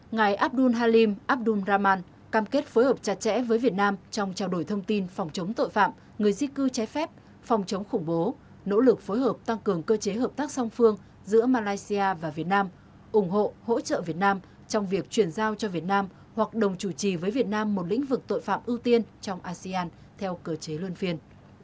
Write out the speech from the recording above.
ngài abdul halim abdul rahman cam kết phối hợp chặt chẽ với việt nam trong trao đổi thông tin phòng chống tội phạm người di cư trái phép phòng chống khủng bố nỗ lực phối hợp tăng cường cơ chế hợp tác song phương giữa malaysia và việt nam ủng hộ hỗ trợ việt nam trong việc truyền giao cho việt nam hoặc đồng chủ trì với việt nam một lĩnh vực tội phạm ưu tiên trong asean theo cơ chế luân phiên